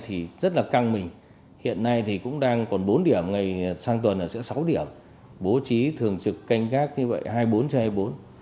thì rất là căng mình hiện nay thì cũng đang còn bốn điểm sang tuần ở sẽ sáu điểm bố trí thường trực canh gác như vậy hai mươi bốn trên hai mươi bốn